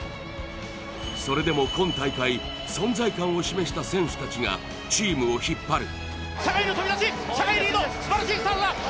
それでも今大会、存在感を示した選手たちがチームを引っ張る。